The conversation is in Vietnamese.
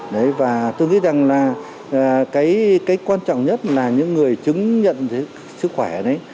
đấy và tôi nghĩ rằng là cái quan trọng nhất là những người chứng nhận sức khỏe đấy